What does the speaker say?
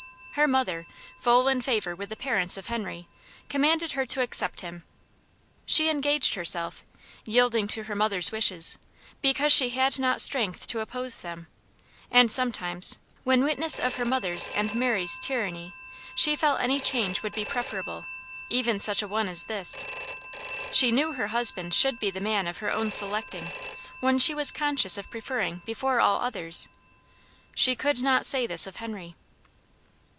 Her mother, full in favor with the parents of Henry, commanded her to accept him. She engaged herself, yielding to her mother's wishes, because she had not strength to oppose them; and sometimes, when witness of her mother's and Mary's tyranny, she felt any change would be preferable, even such a one as this. She knew her husband should be the man of her own selecting, one she was conscious of preferring before all others. She could not say this of Henry.